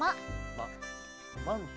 ママント。